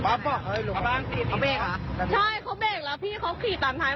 เมาส์ละครับจับไปดูหน่อยดิอยากเห็นจังเลยอยากเห็นเมาส์จับเมาส์ละครับ